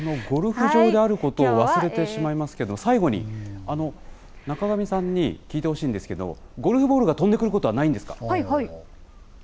ゴルフ場であることを忘れてしまいますけれども、最後に中神さんに聞いてほしいんですけど、ゴルフボールが飛んでくることははいはい。